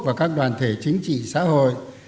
và các đoàn thể chính trị xã hội